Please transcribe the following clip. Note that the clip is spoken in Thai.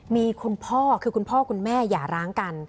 มีคุณพ่อคือคุณพ่อคุณแม่อย่าร้างกัน